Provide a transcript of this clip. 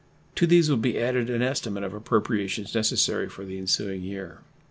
To these will be added an estimate of appropriations necessary for the ensuing year.